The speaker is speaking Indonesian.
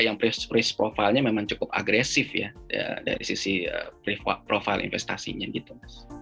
yang risk profile nya memang cukup agresif ya dari sisi profile investasinya gitu